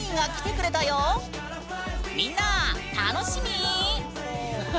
みんな楽しみ？